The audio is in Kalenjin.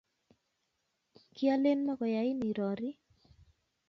kialeni mokoyain irorii.